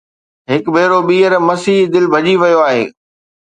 هڪ ڀيرو ٻيهر، مسيح دل ڀڄي ويو آهي